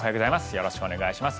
よろしくお願いします。